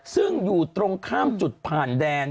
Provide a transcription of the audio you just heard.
ซึ่งอยู่ตรงข้ามจุดผ่านแดน